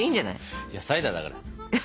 いやサイダーだから。